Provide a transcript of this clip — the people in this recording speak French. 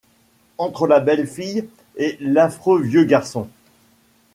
Entre la belle fille et l’affreux vieux garçon